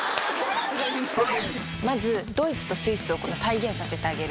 まずドイツとスイスを再現させてあげる。